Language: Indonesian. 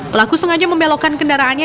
pelaku sengaja membelokkan kendaraannya